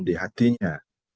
dan di hatinya